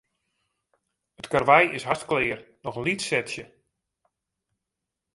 It karwei is hast klear, noch in lyts setsje.